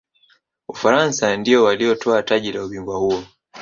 ufaransa ndiyo waliyotwaa taji la ubingwa huo